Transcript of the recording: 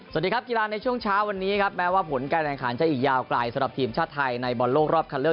สวัสดีครับกีฬาในช่วงเช้าวันนี้ครับแม้ว่าผลการแข่งขันจะอีกยาวไกลสำหรับทีมชาติไทยในบอลโลกรอบคันเลือก